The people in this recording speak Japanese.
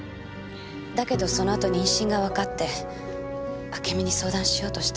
だけどその後妊娠がわかってあけみに相談しようとしたら。